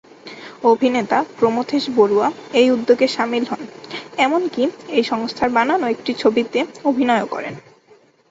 অভিনেতা প্রমথেশ বড়ুয়া এই উদ্যোগে সামিল হন, এমনকি এই সংস্থার বানানো একটি ছবিতে অভিনয়ও করেন।